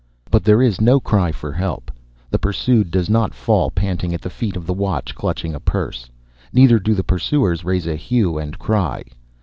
But there is no cry for help. The pursued does not fall panting at the feet of the watch, clutching a purse; neither do the pursuers raise a hue and cry.